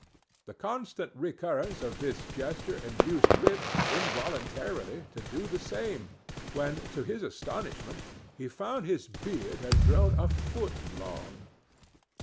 The constant recurrence of this gesture induced Rip, involuntarily, to do the same, when, to his astonishment, he found his beard had grown a foot long!